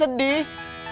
gua juga sedih